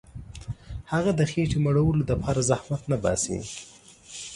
هغه د خېټي مړولو دپاره زحمت نه باسي.